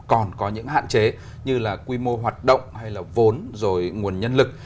còn có những hạn chế như là quy mô hoạt động hay là vốn rồi nguồn nhân lực